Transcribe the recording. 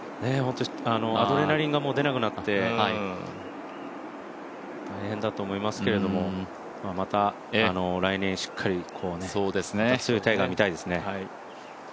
アドレナリンが出なくなって大変だと思いますけれども、また来年しっかり、強いタイガー見たいですね。